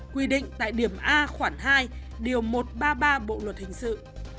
quy định tại điểm a khoản hai điều một trăm ba mươi ba bộ luật hình sự